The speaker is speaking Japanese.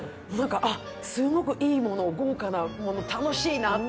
すごくいいもの、豪華なもの楽しいなって。